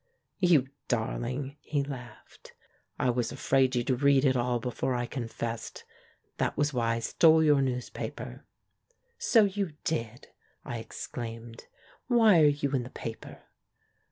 "You darling!" he laughed. "I was afraid you'd read it all before I confessed ; that was why I stole your newspaper." "So you did!" I exclaimed. "Why are you in the paper?"